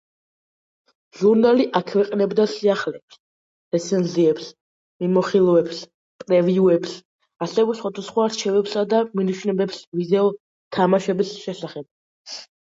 ჟურნალი აქვეყნებდა სიახლეებს, რეცენზიებს, მიმოხილვებს, პრევიუებს, ასევე სხვადასხვა რჩევებსა და მინიშნებებს ვიდეო თამაშების შესახებ.